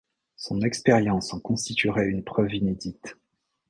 Son expérience en constituerait une preuve inédite.